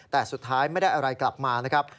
แต่สุดท้ายไม่ได้อะไรกลับมานะครับ